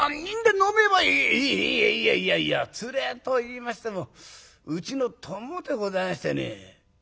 「いやいやいやいや連れといいましてもうちの供でございましてね。